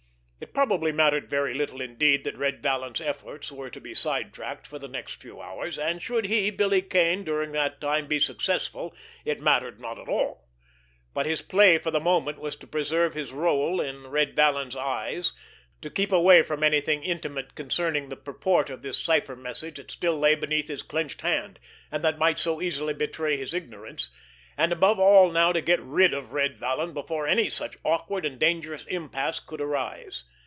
It probably mattered very little indeed that Red Vallon's efforts were to be sidetracked for the next few hours, and should he, Billy Kane, during that time, be successful, it mattered not at all; but his play for the moment was to preserve his rôle in Red Vallon's eyes, to keep away from anything intimate concerning the purport of this cipher message that still lay beneath his clenched hand, and that might so easily betray his ignorance, and above all now to get rid of Red Vallon before any such awkward and dangerous impasse could arise.